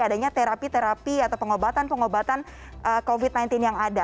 adanya terapi terapi atau pengobatan pengobatan covid sembilan belas yang ada